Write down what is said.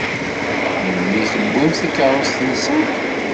Melmi i tewwimt takeṛṛust-nsent?